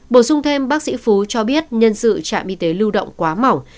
bổ sung thêm bác sĩ phú cho biết nhân sự trạm y tế lưu động quá mỏng